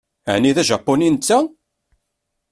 Ɛni d ajapuni netta?